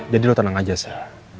jadi lo tenang aja sak